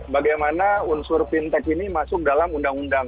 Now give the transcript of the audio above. bagaimana unsur fintech ini masuk dalam undang undang